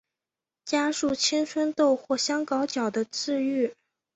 加速青春痘或香港脚的治愈。